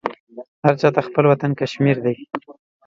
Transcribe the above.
هر چا ته خپل وطن کشمیر دی.